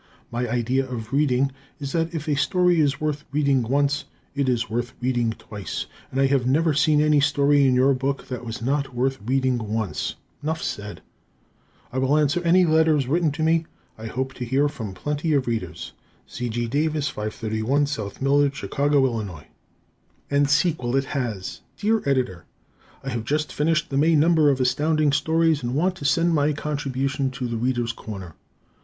My idea of reading is that if a story is worth reading once it is worth reading twice, and I have never seen any story in your book that was not worth reading once. Nuff said. I will answer any letters written me. I hope to hear from plenty of Readers C. G. Davis, 531 S. Millard, Chicago, Ill. And Sequel It Has Dear Editor: I have just finished the May number of Astounding Stories, and want to send my contribution to "The Readers' Corner."